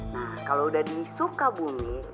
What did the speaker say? nah kalau udah disuka bumi